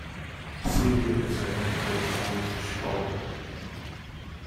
Celia let her head fall towards her shoulder.